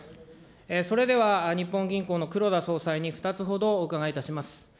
それでは日本銀行の黒田総裁に２つほどお伺いいたします。